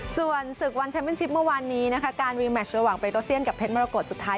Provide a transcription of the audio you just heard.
ส่วนศึกวันแชมเป็นชิปเมื่อวานนี้นะคะการรีแมชระหว่างเรโตเซียนกับเพชรมรกฏสุดท้าย